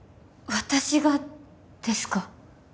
私がですか？